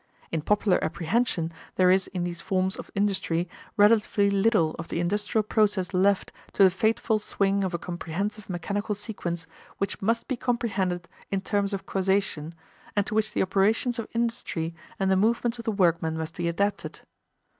In popular apprehension there is in these forms of industry relatively little of the industrial process left to the fateful swing of a comprehensive mechanical sequence which must be comprehended in terms of causation and to which the operations of industry and the movements of the workmen must be adapted.